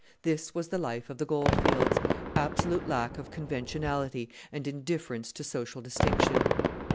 This was the life of the goldfields absolute lack of conventionality and indifference to social distinction.